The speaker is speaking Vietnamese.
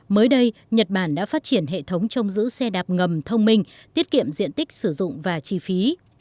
mới đây nhật bản đã phát triển hệ thống trông giữ xe đạp ngầm thông minh tiết kiệm diện tích sử dụng và chi phí